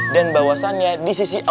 dan bahwasannya di sisi al anfal